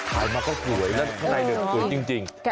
ถ่ายมาก็สวยแล้วในหนึ่งสวยจริง